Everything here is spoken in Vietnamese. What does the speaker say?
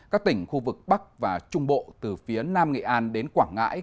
các tỉnh khu vực bắc và trung bộ từ phía nam nghệ an đến quảng ngãi